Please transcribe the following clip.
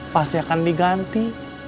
pasti akan diganti